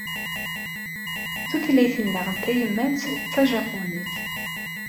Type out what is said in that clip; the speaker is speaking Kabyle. Tutlayt-nneɣ tayemmat d tajapunit.